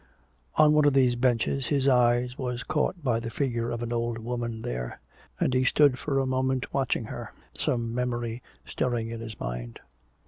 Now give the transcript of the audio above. On one of these benches his eye was caught by the figure of an old woman there, and he stood a moment watching her, some memory stirring in his mind.